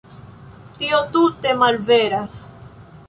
Tio tute malveras.